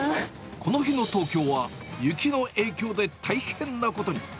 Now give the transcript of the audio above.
この日の東京は雪の影響で大変なことに。